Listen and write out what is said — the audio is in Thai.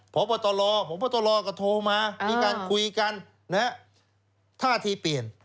พปลก็โทรมามีการคุยกันท่าที่เปลี่ยน